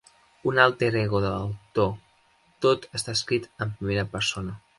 Un alter ego de l'autor, tot està escrit en primera persona.